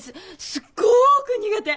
すごく苦手。